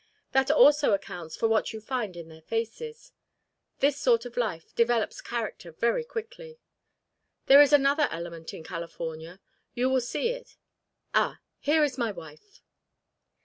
That also accounts for what you find in their faces. This sort of life develops character very quickly. There is another element in California. You will see it Ah! here is my wife."